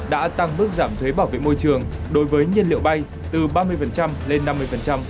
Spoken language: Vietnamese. đã tăng mức giảm thuế bảo vệ môi trường đối với nhiên liệu bay từ ba mươi lên năm mươi